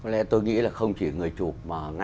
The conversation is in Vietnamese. có lẽ tôi nghĩ là không chỉ người chụp